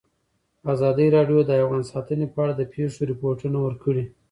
ازادي راډیو د حیوان ساتنه په اړه د پېښو رپوټونه ورکړي.